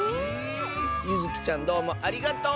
ゆずきちゃんどうもありがとう！